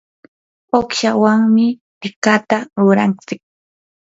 uqshawanmi tikata rurantsik.